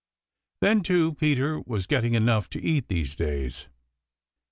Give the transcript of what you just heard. Then, too, Peter was getting enough to eat these days.